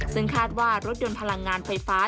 ซึ่งคาดว่ารถยนต์พลังงานไฟฟ้า